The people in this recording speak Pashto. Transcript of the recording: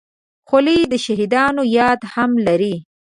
خولۍ د شهیدانو یاد هم لري.